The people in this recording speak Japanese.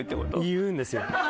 言うんですよ。